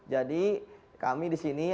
jadi kami di sini